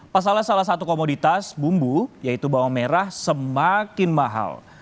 pasalnya salah satu komoditas bumbu yaitu bawang merah semakin mahal